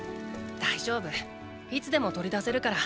大丈夫いつでも取り出せるから。